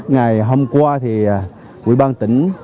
ngày hôm qua quỹ ban tỉnh